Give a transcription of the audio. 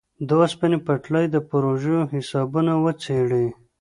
د اوسپنې پټلۍ د پروژو حسابونه وڅېړي.